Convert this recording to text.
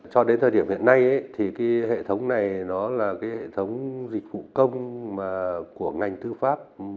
cho đến thời điểm hiện nay hệ thống này là hệ thống dịch vụ công của ngành tư pháp